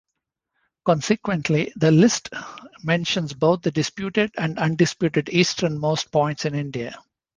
Consequently, this list mentions both the disputed and undisputed eastern-most points in India.